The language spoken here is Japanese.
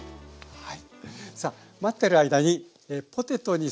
はい。